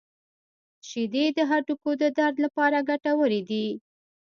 • شیدې د هډوکو د درد لپاره ګټورې دي.